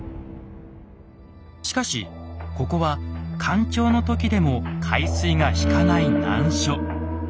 しかしここは干潮の時でも海水が引かない難所。